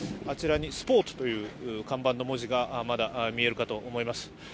あちらにスポートという看板の文字がまだ見えると思います。